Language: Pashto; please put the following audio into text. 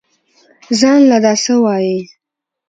زان له دا سه وايې.